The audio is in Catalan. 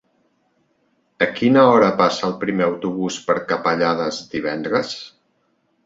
A quina hora passa el primer autobús per Capellades divendres?